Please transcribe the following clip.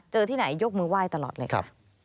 ที่ไหนยกมือไหว้ตลอดเลยค่ะ